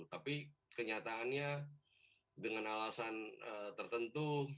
tapi kenyataannya dengan alasan tertentu